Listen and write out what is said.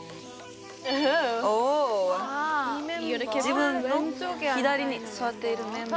自分の左に座っているメンバー。